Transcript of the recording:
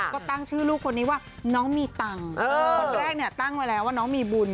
ก็ตั้งชื่อลูกคนนี้ว่าน้องมีตังค์คนแรกเนี่ยตั้งไว้แล้วว่าน้องมีบุญ